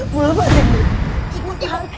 bu lepas ya ibu